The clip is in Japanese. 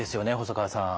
細川さん。